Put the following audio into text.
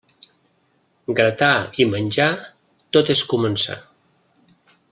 Gratar i menjar tot és començar.